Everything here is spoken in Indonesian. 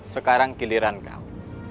sekarang giliran kau